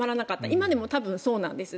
今でも多分そうなです。